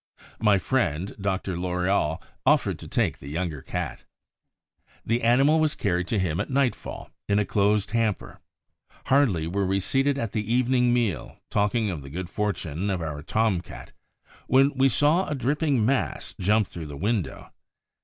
My friend Dr. Loriol offered to take the younger cat. The animal was carried to him at nightfall in a closed hamper. Hardly were we seated at the evening meal, talking of the good fortune of our Tom cat, when we saw a dripping mass jump through the window.